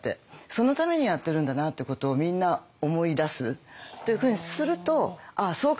そのためにやってるんだなってことをみんな思い出すというふうにするとああそうか！